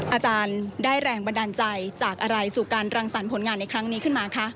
อาจารย์ได้แรงบันดาลใจจากอะไรสู่การรังสรรค์ผลงานในครั้งนี้ขึ้นมาคะ